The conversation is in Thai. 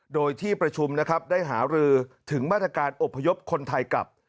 โดยที่ประชุมนะครับได้หารือถึงมาตรการอบพยพคนไทยกลับ